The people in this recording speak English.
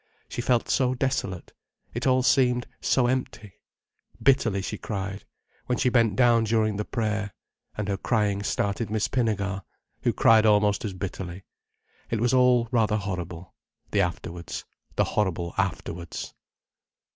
She felt so desolate—it all seemed so empty. Bitterly she cried, when she bent down during the prayer. And her crying started Miss Pinnegar, who cried almost as bitterly. It was all rather horrible. The afterwards—the horrible afterwards.